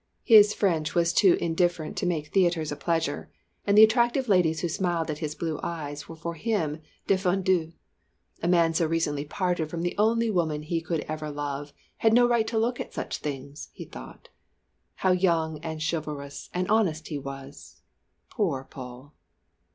His French was too indifferent to make theatres a pleasure, and the attractive ladies who smiled at his blue eyes were for him défendues. A man so recently parted from the only woman he could ever love had no right to look at such things, he thought. How young and chivalrous and honest he was poor Paul!